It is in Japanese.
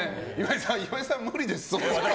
岩井さんは無理です。